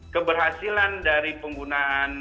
keberhasilan dari penggunaan